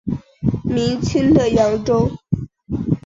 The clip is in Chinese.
明清的扬州。